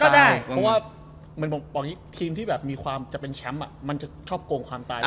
เพราะว่าทีมที่มีความจะเป็นแชมป์มันจะชอบโกงความตาย